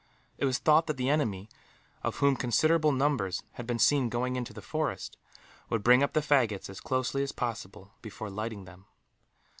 It was thought that the enemy, of whom considerable numbers had been seen going into the forest, would bring up the faggots as closely as possible, before lighting them.